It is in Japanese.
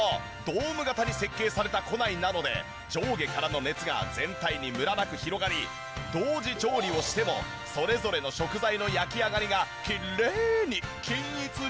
ドーム形に設計された庫内なので上下からの熱が全体にムラなく広がり同時調理をしてもそれぞれの食材の焼き上がりがきれいに均一に仕上がるんです！